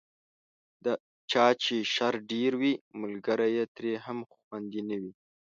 د چا چې شر ډېر وي، ملګری یې ترې هم خوندي نه وي.